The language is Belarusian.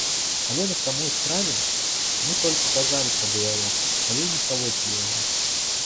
Але на самай справе мы толькі казалі пра дыялог, але не праводзілі яго.